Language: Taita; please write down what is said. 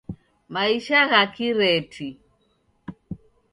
Maisha gha kireti